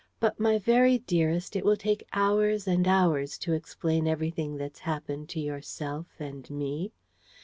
But, my very dearest, it will take hours and hours to explain everything that's happened to yourself and me.